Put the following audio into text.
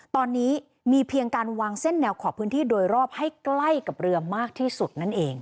ตอนนี้มีเพียงการวางเส้นแนวขอบพื้นที่โดยรอบให้ใกล้กับเรือมากที่สุดนั่นเอง